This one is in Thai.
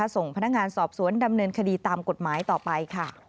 ส่งพนักงานสอบสวนดำเนินคดีตามกฎหมายต่อไปค่ะ